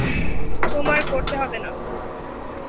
তোমার করতে হবে না।